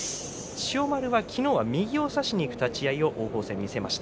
千代丸は昨日は右を差しにいく立ち合いを王鵬戦で見せました。